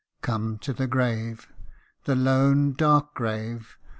Come to the grave the lone dark grave